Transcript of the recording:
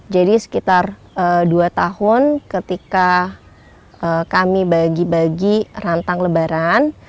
jadi sekitar dua tahun ketika kami bagi bagi rantang lebaran